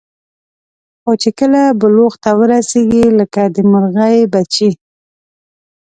خو چې کله بلوغ ته ورسېږي لکه د مرغۍ بچي.